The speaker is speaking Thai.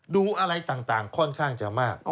ดูอะไรต่างค่อนข้างจะมาก